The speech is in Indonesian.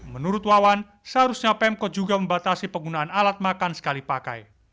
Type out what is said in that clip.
menurut wawan seharusnya pemkot juga membatasi penggunaan alat makan sekali pakai